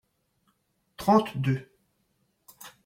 trente deux.